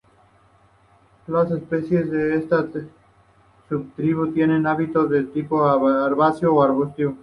Las especies de esta subtribu tiene un hábito de tipo herbáceo o arbustivo.